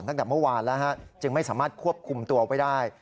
ตั้งแต่เมื่อวานแล้วจึงไม่สามารถควบคุมตัวไว้ได้